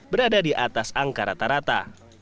berada di atas angka rata rata